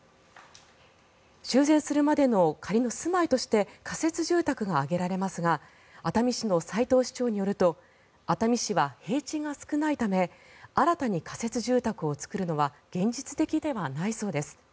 修繕するまでの仮の住まいとして仮設住宅が挙げられますが熱海市の齊藤市長によると熱海市は平地が少ないため新たに仮設住宅を作るのは現実的ではないそうです。